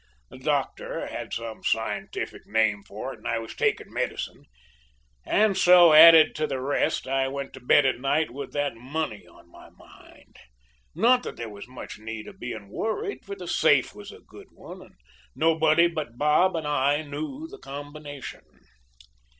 The doctor had some scientific name for it, and I was taking medicine. And so, added to the rest, I went to bed at night with that money on my mind. Not that there was much need of being worried, for the safe was a good one, and nobody but Bob and I knew the combination.